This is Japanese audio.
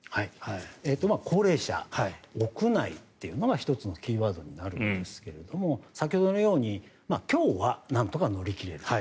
高齢者、屋内っていうのが１つのキーワードになるんですが先ほどのように今日はなんとか乗り切れる。